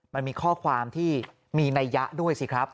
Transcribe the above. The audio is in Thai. มันมีข้อความที่มีนัยยะด้วยสิครับ